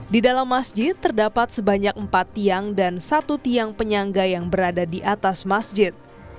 di dalam masjid terdapat sebanyak empat tiang dan satu tiang penyangga yang berada di atas masjid